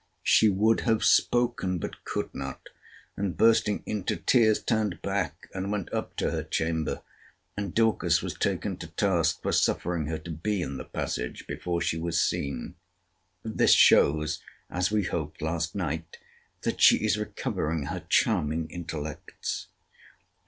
She would have spoken; but could not: and, bursting into tears, turned back, and went up to her chamber: and Dorcas was taken to task for suffering her to be in the passage before she was seen. This shows, as we hoped last night, that she is recovering her charming intellects.